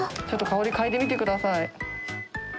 ちょっと香り嗅いでみてください